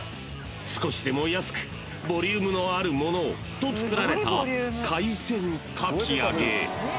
［少しでも安くボリュームのあるものをと作られた海鮮かき揚げ］